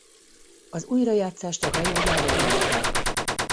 Az újrajátszást a Hajógyár lemondta.